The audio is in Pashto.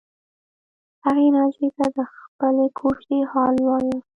هغې ناجیې ته د خپلې کوژدې حال ووایه